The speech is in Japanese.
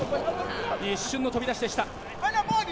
一瞬の飛び出しでした。